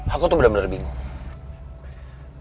aku tuh bener bener bingung